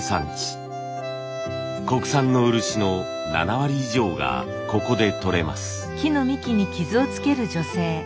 国産の漆の７割以上がここでとれます。